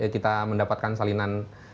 kita mendapatkan salinan